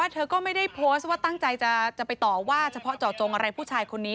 เธอก็ไม่ได้โพสต์ว่าตั้งใจจะไปต่อว่าเฉพาะเจาะจงอะไรผู้ชายคนนี้